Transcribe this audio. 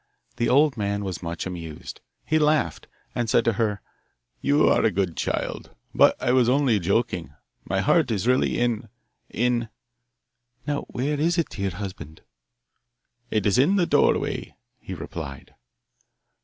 The old man was much amused. He laughed, and said to her: 'You are a good child, but I was only joking. My heart is really in in ' 'Now where is it, dear husband?' 'It is in the doorway,' he replied.